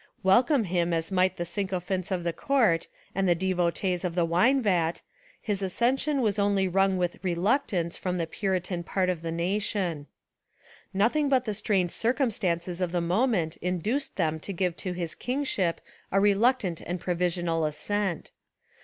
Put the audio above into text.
Welcome him as might the syco phants of the court and the devotees of the wine vat, his accession was only wrung with reluctance from the puritan part of the nation. 284 A Rehabilitation of Charles II Nothing but the strained circumstances of the moment induced them to give to his kingship a reluctant and provisional assent.